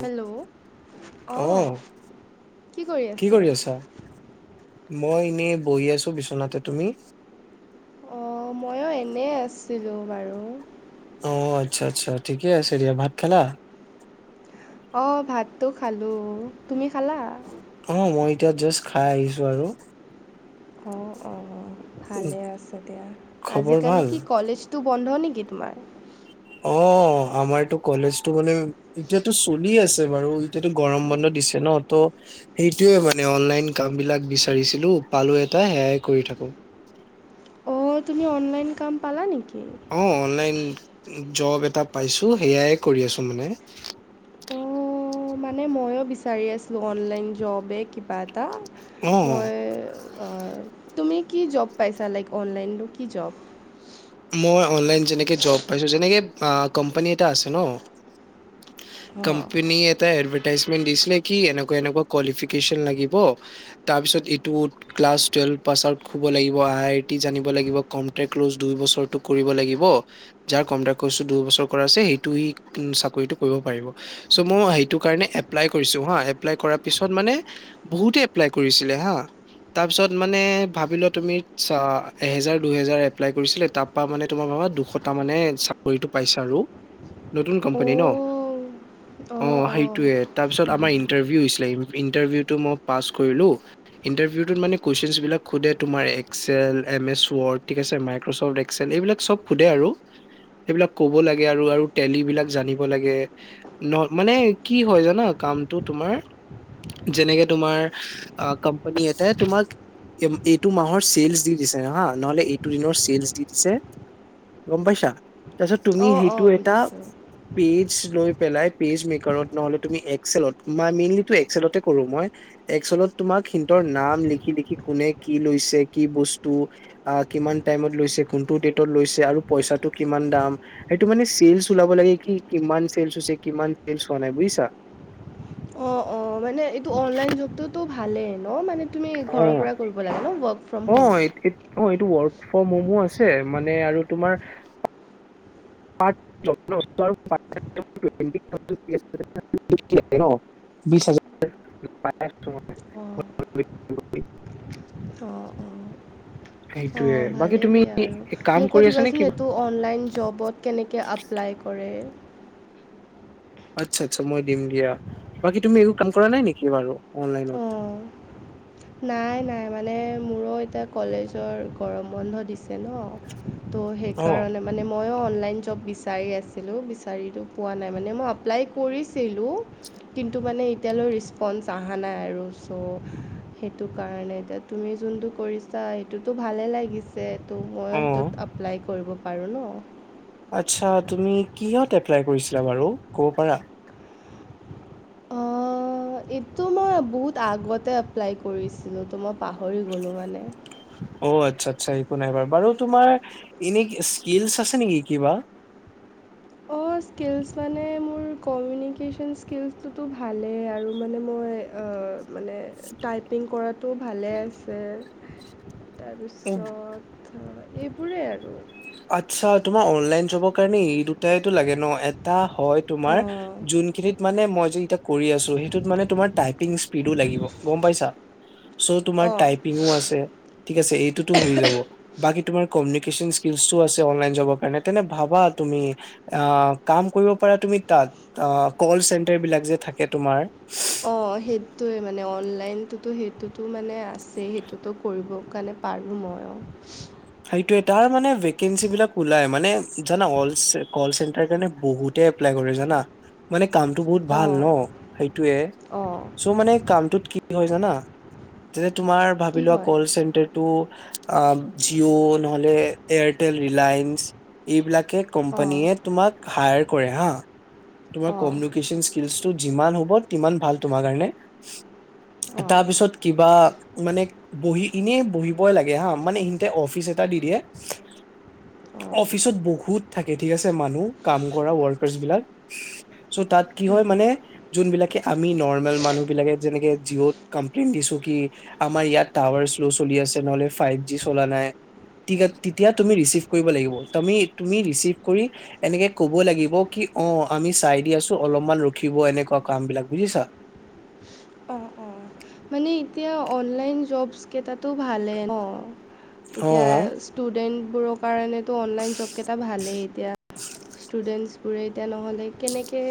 Hello অ। অহ কি কৰি আছে। মই এনেই বহি আছো বিচনাতে তুমি। অ মইো এনে আছিলো বাৰু। অ আচ্ছা আচ্ছা ঠিকেই আছে দিয়া ভাত খালা? অ ভাতটো খালো তুমি খালা। অ মই এতিয়া জাষ্ট খাই আহিছো আৰু। অ অ উম, ভালে আছে দিয়া খবৰ আজিকালি ভাল? কি কলেজটো বন্ধ নেকি? তোমাৰ। অ আমাৰটো কলেজটো মানে এতিয়াতো চলি আছে বাৰু এতিয়াতো গৰম বন্ধ। দিছে ন ত সেইটোয়ে মানে অনলাইন কাম বিলাক বিচাৰিছিলো পালো এটা সেয়াই কৰি থাকো [unintelligible] অ তুমি অনলাইন কাম পালা নেকি। অ অনলাইন জব এটা পাইছো সেয়াই কৰি আছো মানে। [unintelligible] অঁ মানে ময়ো বিচাৰি আছিলোঁ অনলাইন জবে কিবা এটা। অ মই তুমি কি জব পাইছা লাইক অনলাইনটো কি জব। মই অনলাইন যেনেকে জব পাইছো যেনেকে কোম্পানী এটা আছে ন। অঁ কোম্পানী এটা এড। এডভেটাইছমেন্ত দিছিলে এনেকুৱা এনেকুৱা কোৱালিফিকেশ্বন লাগিব তাৰ পিছত এইটো ক্লাছ পাছউট হব লাগিব আই আই টি জানিব লাগিব কমট্ৰে্ল'জ দুই বছৰ কৰিব লাগিব যাৰ কম্পউট্ কৰ্চটো দুইবছৰ কৰা আছে সেইটো চাকৰিটো কৰিব পাৰিব। চ' মই সেইটো কাৰণে এপলাই কৰিছো হা এপলাই কৰা পিছত মানে বহুতে এপ্লাই কৰিছিলে। হা তাৰ পিছত মানে ভাবিলোৱা তুমি এজাৰ দুহেজাৰ এপ্লাই কৰিছিলে তাত। মানে তোমাৰ মানে দুশটা মানে চাকৰিটো পাইছ আৰু নতুন কোম্পানী ন। অ অঁ অঁ অঁ সেইটোৱে তাৰপিছত আমাৰ ইণ্টাৰভিউ হৈছিলে ইণ্টাৰভিউটো মই পাছ কৰিলো। ইণ্টাৰভিউত মানে কুৱেশচন বিলাক সোধে তোমাৰ এক্সেল এম এছ ৱড ঠিক আছে মাইক্ৰফ্ট। এইবিলাক চব সোধে আৰু। সেইবিলাক কব লাগে আৰু আৰু তেল বিলাক জানিব লাগে ন মানে কি হয় জানা। কামটো তোমাৰ যেনেকে তোমাৰ কোম্পানী এটাই তোমাক। এইটো মাহৰ চেলচ দি দিছে ন হা নহলে এইটো দিনৰ চেলচ দি। গম পাইছা তাৰপিছত তুমি অঁ সেইটো অঁ এটা বুজিছোঁ পেজ পেজ লৈ পেলাই পেজ মেকাৰত নহলে তুমি এক্সেলত মেইনলি এক্সেলটে কৰোঁ মই তলত তোমাৰ সিঁহতৰ নাম লিখি লিখি কোনে কি লৈছে কি বস্তু আ কিমান টাইমত লৈছে কোনটো ডেটত লৈছে আৰু পইচাটো কিমান দাম সেইটো মানে চেলচ ওলাব লাগে কি কিমান চেল কিমান চেল নাই বুজিছা। অ অ মানে এইটো অনলাইন যুগতোতো ভালেই ন মানে তুমি অ ঘৰৰ পৰাই কৰিব লাগে ন ৱৰ্ক ফ্ৰম অ হোম। এইট এইট অ এইটো ৱৰ্ক ফ্ৰম হোমো আছে মানে আৰু তোমাৰ [unintelligible] বিছ অঁ হাজাৰ অঁ অঁ সেইটোয়ে বাকী তুমি এক কাম মোক কৈ কৰি আছা নে দিবাচোন কিবা এইটো অনলাইন জবত কেনেকে এপ্লাই কৰে আচ্ছা আচ্ছা মই দিম দিয়া বাকী তুমি একো কাম কৰা নাই নেকি বাৰু অনলাইনত [inaudible] অঁ নাই নাই মানে মোৰো এতিয়া কলেজৰ গৰম বন্ধ দিছে ন ত' অ সেইকাৰণে মানে মই অনলাইন জব বিচাৰি আছিলোঁ বিচাৰো পোৱা নাই মানে মই এপ্লাই কৰিছিলোঁ কিন্তু মানে এতিয়ালৈ ৰিছপঞ্চ আহা নাই আৰু ছ' সেইটো কাৰণে এতিয়া তুমি যোনটো কৰিছা সেইটোতো ভালে লাগিছে ত' মই অ সেইটোত এপ্লাই কৰিব পাৰোঁ ন আচ্ছা তুমি কিহঁত এপ্লাই কৰিছিলা বাৰু ক'ব পাৰা অঁ, এইটো মই বহুত আগতে এপ্লাই কৰিছিলোঁ তোমাৰ পাহৰি গ'লোঁ মানে এক নাই বাৰু তোমাৰ এনে স্কিলচ আছে নেকি কিবা? অঁ স্কিলচ মানে মোৰ কমিউনিকেশ্যন স্কিলচটোতো ভালেই আৰু মানে মই, মানে টাইপিং কৰাটো ভালে আছে। উম, তাৰপিছত এইবোৰেই আৰু। আতচ্ছা তোমাৰ অনলাইন জবৰ কাৰণে এই দুটাইটো লাগে ন। এটা হয়, তোমাৰ অঁ যোনখিনিত মানে মই- সেই কিটা কৰি আছো সেইটো তোমাৰ টাইপিং স্পীডো লাগিব গম পাইছা। চ তোমাৰ অঁ টাইপিংও আছে ঠিক আছে, এইটোতো হৈ যাব। বাকী তোমাৰ কমিউনিকেশ্বন - অনলাইন যবৰ কাৰণে। তেনে ভাবা তুমি অ কাম কৰিব পাৰা তুমি তাত। অ কল চেন্টাৰ বিলাক যে থাকে তোমাৰ। অ সেইটোৱে মানে, অনলাইনতো সেইটোতো মানে আছে। সেইটোতো কৰিব, কাৰণে পাৰোঁ মই। এইটো এটা মানে ভেকেন্সীবিলাক ওলাই জানা, কল চেন্টাৰ কাৰণে বহুতে এপ্লাই - জানা। মানে কামটো বহুত ভাল অঁ ন। সেইটোয়ে। অঁ চ' মানে কামটোত কি হয় জানা যে, তোমাৰ ভাবি কি লোৱা হয় কল চেন্টাৰটো, জিঅ' নহ'লে, এয়াৰটেল ৰিলায়েন্স, এইবিলাকে অঁ কোম্পানীয়ে তোমাক হায়- কৰে হা। তোমাৰ অঁ কমিউনিকেশ্বন স্কিল যিমান হ'ব তিমান ভাল তোমাৰ কাৰণে। অঁ তাৰ পিছত কিবা মানে বহি এনেই বহিবই লাগে হা মানে, অফিচ এটা দি দিয়ে, অঁ অফিচত বহুত থাকে ঠিক আছে মানুহ, কাম কৰা ৱৰ্কাৰছ বিলাক। চ' তাত কি হয় মানে, যোনবিলাকে আমি নৰ্মেল মানুহ বিলাকে যেনেকে জিঅ'ত কমপ্লেইন দিছো কি আমাৰ ইয়াত টাৱাৰ, শ্লো চলি আছে, নহলে ফাইভ জি চলা নাই, তেতিয়া তুমি ৰিচিভ কৰিব লাগিব। তুমি ৰিচিভ কৰি এনেকে ক'ব লাগিব কি, অ আমি চাই দি আছো, অলপমান ৰখিব এনেকুৱা কাম বিলাক বুজিছা। অ অ মানে এতিয়া অনলাইন জব, কেইটাতো ভালে অ। অ এতিয়া ষ্টুডেন্ট বোৰৰ কাৰণে তো অনলাইন জব কেইটা ভালেই, এতিয়া ষ্টুডেন্ট ৰে এতি নহ'লে কেনেকে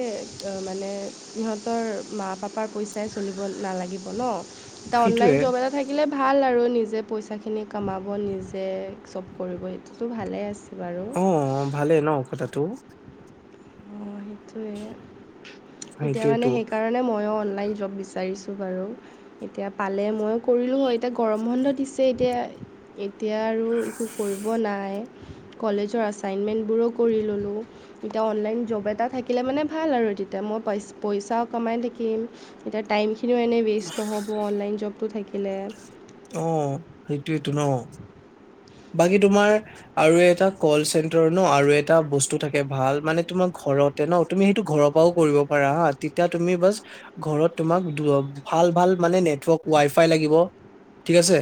মানে সিহঁতৰ মা পাপ- পইচাই চলিব নালাগিব ন। এটা অনলাইন সেইটোয়ে জব এটা থাকিলে, ভাল আৰু নিজে পইচাখিনি কমাব, নিজে চব কৰিব, সেইটোতো ভালে আছে। বাৰু, ত [unintelligible] ত এতিয়া মানে সেইটোয়েতো সেইকাৰণে মইয়ো লো- অনলাইন জব বিচাৰিছোঁ বাৰু। এতিয়া পালে ময়ো কৰিলোঁ হয়, এতিয়া গৰম বন্ধ দিছে এতিয়া। [unintelligible] এতিয়া আৰু একো কৰিব নাই। কলেজৰ আছাইনমেণ্টবোৰো কৰি ল'লোঁ। এতিয়া অনলাইন জব এটা থাকিলে মানে ভাল আৰু। তেতিয়া মই পইচ পইচাও কমাই থাকিম। এতিয়া টাইমিন- খিনিও এনেই ৱেষ্ট নহ'ব, অনলাইন জবটো থাকিলে। অ সেইটোয়েটো ন। বাকী তোমাৰ আৰু এটা কল চেন্টাৰ ন আৰু এটা বস্তু থাকে ভাল মানে তোমাৰ, ঘৰতে ন তুমি সেইটো ঘৰৰ পৰাও কৰিব পাৰা হা, তেতিয়া তুমি বাচ ঘৰত তোমাক ভাল ভাল মানে নেটৱৰ্ক ৱাই ফাই লাগিব ঠিক আছে।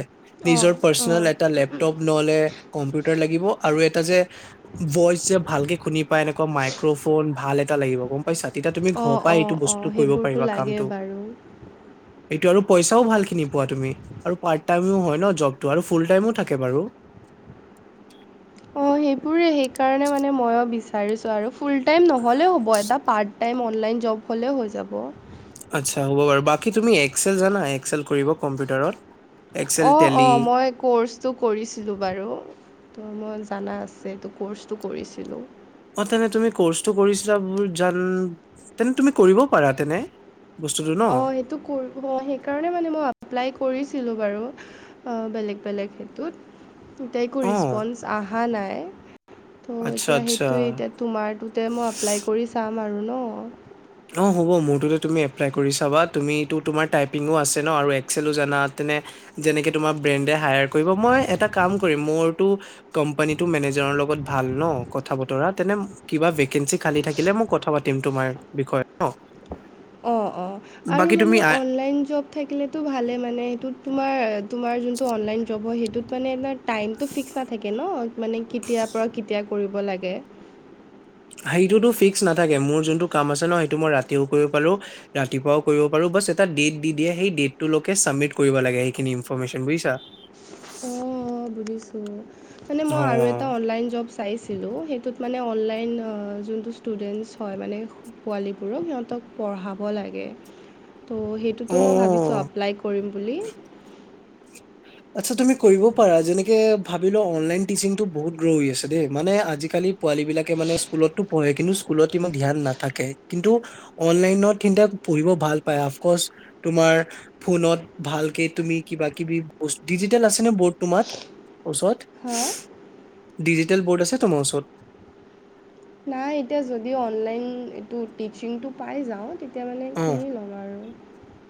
অঁ নিজৰ পাৰ্চনেল অঁ এটা লেপ- [unintelligible] তপ নহলে কম্পিউটাৰ লাগিব। আৰু এটা যে ভইচ যে ভালকে শুনি পায় এনেকুৱা মাই - ম্ৰফোন ভাল এটা লাগিব। গম পাইছা? তেতিয়া তুমি ঘৰৰ অঁ পৰা অঁ এইটো অঁ বস্তু কৰিব সেইবোৰতো পাৰিবা লাগে কামটো। বাৰু এইটো আৰু পইচাও ভাল খিনি পোৱা তুমি। আৰু পাৰ্ট টাইমও হয় ন জবটো, আৰু ফুল টাইমো থাকে বাৰু। [unintelligible] অ সেইটোৱে সেইকাৰণে মানে মই বিচাৰিছো আৰু ফুল টাইম নহলে হব। এটা পাৰ্ট টাইম [unintelligible] অনলাইন জব হ'লেও হৈ যাব। আচ্ছা হ'ব বাৰু। বাকী তুমি এক্সেল জানা, এক্সেল কৰিব কম্পিউটাৰত? এক্সেল অঁ, টেলি অঁ, মই ক'ৰ্চটো কৰিছিলোঁ বাৰু। ত 'মই জানা আছে এইটো ক'ৰ্চটো কৰিছিলোঁ। অ, তেনে তুমি কৰ্চটো কৰিছিলা জান তেনে তুমি কৰিব পাৰা তেনে। বস্তুটো ন অ, সেইটো অ, সেইকাৰে ম মই কৰিছিলো বাৰু। বেলেগ, বেলেগ সেইেতত এতিই একো অ ৰিচপন্ঞ্চ অহা নাই। [unintelligible] ত' আচ্ছা এতিয়া আচ্ছা সেইটোৱে এতিয়া তোমাৰটোতে মই এপ্লাই কৰি চাম আৰু ন? অ' হ'ব মোৰটো তুমি এপ্লাই কৰি চাবা তুমাৰ আছে ন? [unintelligible] তেনে যেনকে তোমাৰ ফ্ৰিয়েণ্ডে হাইয়াৰ কৰিব মই এটা কাম কৰিম মোৰ কোম্পানী টো [unintelligible] মেনেজাৰৰ লগত ভাল ন, কথা বতৰা তেনে কিবা ভেকেঞ্চি খালি থাকিলে মই কথা পাতিম তোমাৰ। বিষয়। অ, অ আৰু মানে আ অনলাইন জব থাকিলেতো ভালে মানে সটো তোমাৰ তোমাৰ যোনটো অনলাইন জব হয় সেইটোত মানে এ টাইমটো ফিক্স নাথাকে ন মানে কেতিয়াৰ পৰা কেতিয়া কৰিব লাগে। সেইটোতো ফিক্স নাথাকে। মোৰ যোনটো কাম আছে ন সেইটো মই ৰাতিও কৰিব পাৰো ৰাতিপুৱাও কৰিব পাৰো [unintelligible] ব এটা ডেট দি দিয়ে, সেই ডেটটোে চাবমিট কৰিব লাগে সেইখিনি ইনফৰমেচন বুজিছা। [unintelligible] অ' বুজিছো মানে অ, মই আৰু এটা অনলাইন জব চাইছিলোঁ। সেইটোত মানে অনলাইন যোনটো ষ্টুডেণ্টছ হয় মানে পোৱালীবোৰক সিহঁতক পঢ়াব লাগে। ত' সেইটোতো মই ভাবিছোঁ অ। আপ্লাই কৰিম বুলি। আচ্ছা, তুমি কৰিব পাৰা যেনেকে ভাব অনলাইন টিচিটো বহুত গ্ৰ হৈ আছে দেই মানে আজি কালি [unintelligible] পোৱালী বিলাক মানে স্কুলতো পঢ়ে কিন্তু স্কুলত ইমান ধ্যান নাথাকে। কিন্তু, অনলাইনত কিন্তু পঢ়িব ভাল পায়, অফকৰ্চ [unintelligible] তোমাৰ ফোনত ভালকে তুমি কিবা কিবি ডিজিটেল আছে নে বৰ্ড তোমাত ওচৰত। হা ডিজিটেল বোৰ্ড আছে তোমাৰ ওচৰত? নাই। এতিয়া যদি অনলাইন এই টিচিটো পাই যাওঁ তেতিয়া মানে অ, কিনি ল'ম আৰু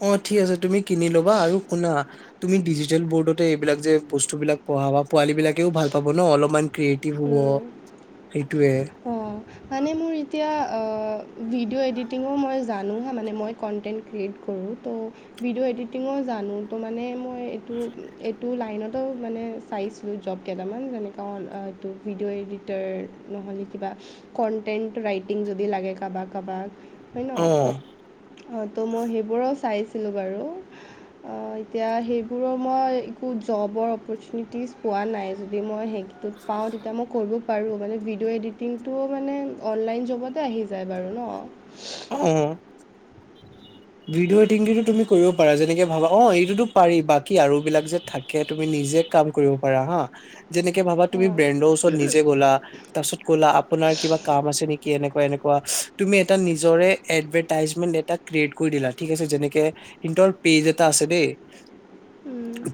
অ' ঠিক আছে তুমি কিনি লবা আৰু শুনা? তুমি ডিজিটেল বৰ্ডতে এইবিলাক যে বস্তু বিলাক পঢ়া বা পোৱালী বিলাকেও ভাল পাব ন অলপমান। [unintelligible] হ'ব উম, সেইটোৱে মানে মোৰ এতিয়া আহ ভিডিঅ' এডিটিঙো মই জানোহে মানে মই কণ্টেণ্ট ক্ৰিয়েট কৰোঁ ত' ভিডিঅ' এডিটিঙো [unintelligible] মানে এটো মানে মই এইটো এইটো লাইনতো মানে চাইছিলোঁ জব কেইটামান যেনেকৈ [unintelligible] ত' ভিডিঅ' এডিটাৰ নহ'লে কিবা কণ্টেণ্ট ৰাইটিং যদি লাগে কাবাক-কাবাক। [unintelligible] হয় ন? অ অ, ত' মই সেইবোৰো চাইছিলো বাৰু। এতিয়া সেইবোৰৰ মই একো জবৰ অপৰ্চুনিটিজ পোৱা নাই। যদি মই পাওঁ তেতিয়া মই কৰিব পাৰোঁ। মানে, ভিডিঅ' এডিটিংটো মানে অনলাইন জবতে আহি যায় বাৰু ন? অহ। ভিডিঅ' এডটিংটো তুমি কৰিব পাৰা যেনেকে ভাবা অ এইটোতো পাৰি বাকী আৰু বিলাক যে থাকে তুমি নিজে কাম কৰিব পাৰা হা, যেনেকে ভাবা তুমি ব্ৰেণ্ডৰ ওচৰত নিজে গ'লা, তাৰপিছত ক'লা আপোনাৰ কা কাম আছে নেকি এনে? এনেকুৱা তুমি এটা নিজ জৰে এদভাৰটাইচমেণ্ট এটা ক্ৰিয়েট কৰি দিলা ঠিক আছে, যেনেকে সিহঁতৰ পেজ এটা আছে দেই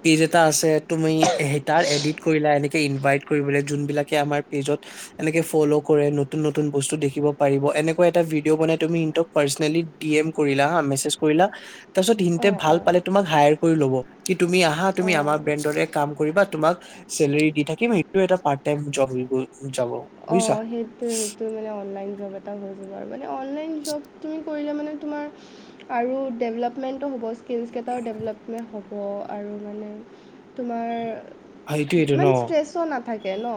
পেইজ এটা আছে। তুমি সেই তাৰ এডিত কৰিলা, এনেকে ইনভাইত কৰিবলে, যুনবিলকে আমাৰ পেইজত এনেকে ফলো কৰে নতুন নতুন বস্তু দেখিব পাৰিব, এনেকুৱা এটা ভিডিঅ' বনাই তুমি ইণ্টক পাৰ্চনেলী দি এম্ কৰিলা হা, মেছেজ কৰিলা। তাৰ পিছত ইন্তে অঁ ভাল অঁ পালে তোমাক হাইআৰ কৰি লব কি তুমি আহা তুমি অঁ আমাৰ ব্ৰেণ্ডটে কাম কৰিবা তোমাক চেলাৰী দি থাকিম হেইটো এটা পাৰ্ট টাইম জাব [unintelligible] যাব। অ বুজিছা সেইটোই সেইটো মানে অনলাইন জব এটা হৈ যাব আৰু। মানে অনলাইন জব তুমি কৰিলে মানে তোমাৰ আৰু ডেভেলপমেণ্টটো হ'ব স্কিলছকেইটাও ডেভেলপমেণ্ট হ'ব আৰু মানে তোমাৰ সেইটোয়েটো ন ইমান ষ্ট্ৰেছো নাথাকে ন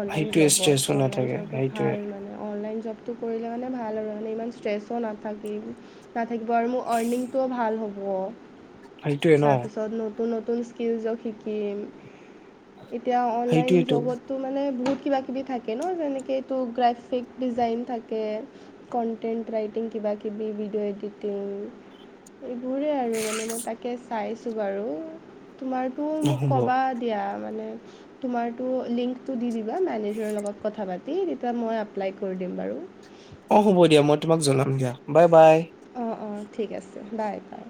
অনলাইন সেইটোয়ে জবত। ত ষ্ট্ৰেছো অনলাইন নাথাকে জব সেইটোয়ে ভাল মানে অনলাইন জব টো কৰিলে মানে ভাল আৰু মানে ইমান ষ্ট্ৰেছো নাথাকে নাথাকিব আৰু মোৰ অৰ্ণিংটোও ভাল হ'ব। সেইটোয়ে ন তাৰপিছত নতুন নতুন স্কিলছক শিকিম। এতিয়া অনলাইন সেইটোয়েটো জবতো মানে বহুত কিবা কিবি থাকে। ন যেনেকেটো গ্ৰাফিক ডিজাইন থাকে কটেন্ট ৰাইটিং কিবা কিবি। ভিডিঅ' এডিটিং এইবোৰেই আৰু মানে মই তাকে চাইছোঁ বাৰু। তোমাৰতো মোক হ'ব ক'বা দিয়া মানে তোমাৰটো লিংকটো দি দিবা মেনেজাৰৰ লগত কথা পাতি তেতিয়া মই এপ্লাই কৰি দিম বাৰু। অ হ'ব দিয়া মই তোমাক জনাম দিয়া বাই বাই। অঁ অঁ ঠিক আছে বাই বাই।